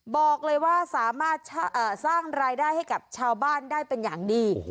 บอกเลยว่าสามารถสร้างรายได้ให้กับชาวบ้านได้เป็นอย่างดี